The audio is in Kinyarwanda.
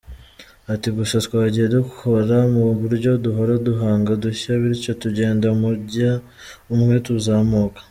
Ati “Gusa, twagiye dukora mu buryo duhora duhanga udushya, bityo tugenda umujyo umwe tuzamuka.